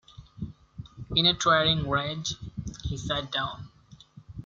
In a towering rage, he sat down.